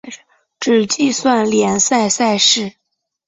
只计算联赛赛事。